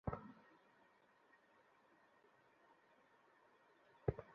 তাই মানুষে মানুষে কোনো প্রকার ভেদাভেদ নেই, শ্বেতকায়-কৃষ্ণকায় কোনো প্রভেদ নেই।